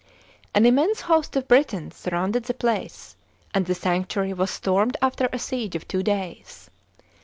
An immense host of Britons surrounded the place and the sanctuary was stormed after a siege of two days.